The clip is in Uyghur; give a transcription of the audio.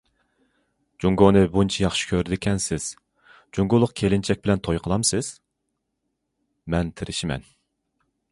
« جۇڭگونى بۇنچە ياخشى كۆرىدىكەنسىز، جۇڭگولۇق كېلىنچەك بىلەن توي قىلامسىز؟»« مەن تىرىشىمەن».